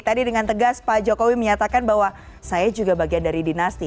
tadi dengan tegas pak jokowi menyatakan bahwa saya juga bagian dari dinasti